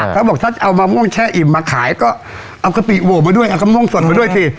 เขาบอกถ้าจะเอามะม่วงแช่อิ่มมาขายก็เอากะปิโหวไปด้วยเอากะม่วงสดมาด้วยสิ